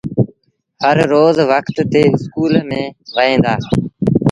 هر روز وکت ٿي اسڪول ميݩ وهيݩ دآ۔